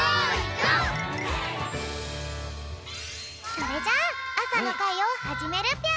それじゃああさのかいをはじめるぴょん。